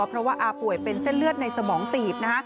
เพราะว่าอาป่วยเป็นเส้นเลือดในสมองตีบ